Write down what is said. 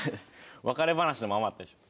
別れ話のままだったでしょ。